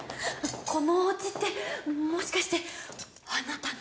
このお家ってもしかしてあなたの？